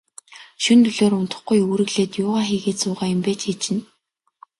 Шөнө дөлөөр унтахгүй, үүрэглээд юугаа хийгээд суугаа юм бэ, чи чинь.